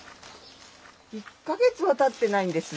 １か月はたってないんです。